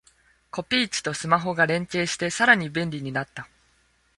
コピー機とスマホが連携してさらに便利になった